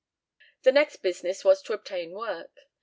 The next business was to obtain work.